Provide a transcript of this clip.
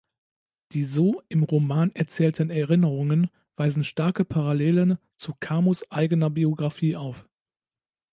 Die so im Roman erzählten Erinnerungen weisen starke Parallelen zu Camus' eigener Biographie auf.